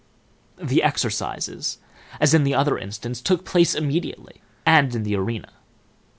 The exercises, as in the other instance, took place immediately, and in the arena.